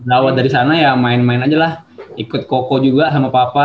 rawat dari sana ya main main aja lah ikut koko juga sama papa